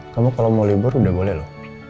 kamu kalau mau libur udah boleh loh